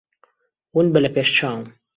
ون بە لە پێش چاوم.